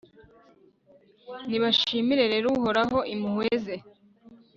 nibashimire rero uhoraho impuhwe ze